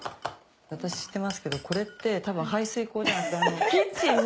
私知ってますけどこれって排水溝じゃなくてキッチンの。